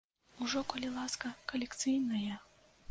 Ужо, калі ласка, калекцыйнае!